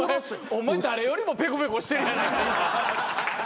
お前誰よりもペコペコしてるやないか今。